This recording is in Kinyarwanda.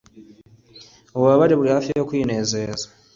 ububabare buri hafi yo kwinezeza